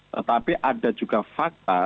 tetapi ada juga fakta